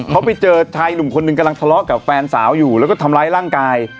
เขาไปเจอชายหนุ่มคนหนึ่งกำลังทะเลาะกับแฟนสาวอยู่แล้วก็ทำร้ายร่างกาย